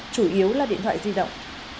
chủ yếu là điện thoại di động